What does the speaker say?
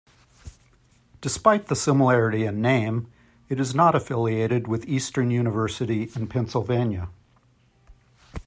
Despite the similarity in name, it is not affiliated with Eastern University in Pennsylvania.